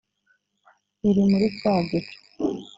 iri muri cya gicu